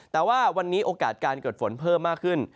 แต่ว่าวันนี้โอกาสการเกิดฝนเพิ่มมากขึ้น